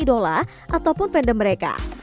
bela idola ataupun fandom mereka